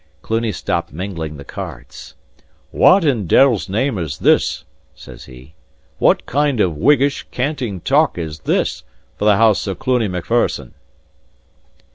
Cluny stopped mingling the cards. "What in deil's name is this?" says he. "What kind of Whiggish, canting talk is this, for the house of Cluny Macpherson?"